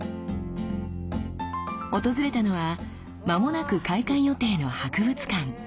訪れたのは間もなく開館予定の博物館。